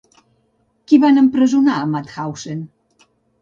Qui van empresonar a Mauthausen?